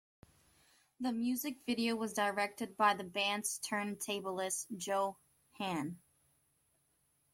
The music video was directed by the band's turntablist, Joe Hahn.